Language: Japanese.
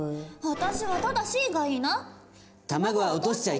私は「ただし」がいいな。